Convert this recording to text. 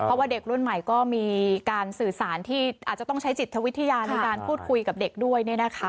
เพราะว่าเด็กรุ่นใหม่ก็มีการสื่อสารที่อาจจะต้องใช้จิตวิทยาในการพูดคุยกับเด็กด้วย